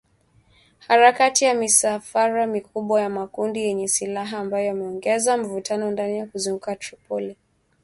Harakati za misafara mikubwa ya makundi yenye silaha ambayo yameongeza mvutano ndani na kuzunguka Tripoli,